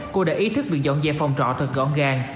cô đã ý thức việc dọn dẹp phòng trọ thật gọn gàng